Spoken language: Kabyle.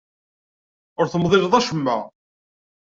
Ur temḍileḍ acemma.